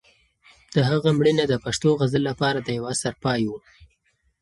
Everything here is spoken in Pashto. د هغه مړینه د پښتو غزل لپاره د یو عصر پای و.